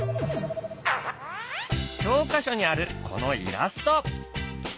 教科書にあるこのイラスト。